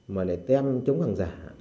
mà lại tem chống giả